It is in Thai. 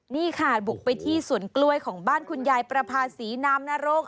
นี่ค่ะบุกไปที่สวนกล้วยของบ้านคุณยายประภาษีนามนรก